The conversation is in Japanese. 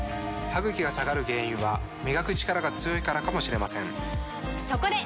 歯ぐきが下がる原因は磨くチカラが強いからかもしれませんそこで！